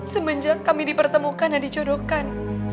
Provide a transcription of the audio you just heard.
semenjak kami dipertemukan dan dijodohkan